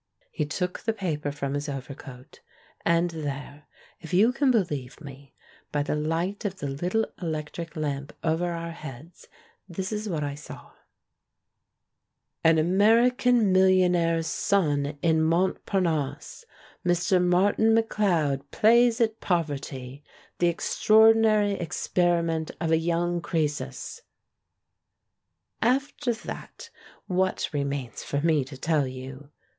He took the paper from his overcoat, and there, if you can beheve me, by the light of the little electric lamp over our heads, this is what I saw: 222 THE MAN WHO UNDERSTOOD WOMEN "An American Millionaire's Son in montparnasse ! Mr. Martin McLeod Plays at Poverty !! The Extraordinary Experiment of a Young Crcesus !!!" After that, what remains for me to tell you?